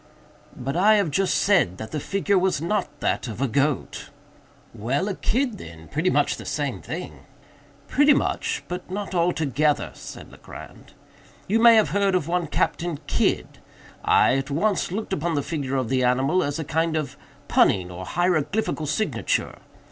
"But I have just said that the figure was not that of a goat." "Well, a kid then—pretty much the same thing." "Pretty much, but not altogether," said Legrand. "You may have heard of one Captain Kidd. I at once looked upon the figure of the animal as a kind of punning or hieroglyphical signature.